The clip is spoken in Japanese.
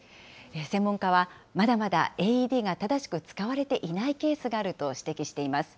専門家は、まだまだＡＥＤが正しく使われていないケースがあると指摘しています。